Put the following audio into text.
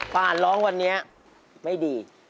ป่านร้องวันนี้ไม่ดี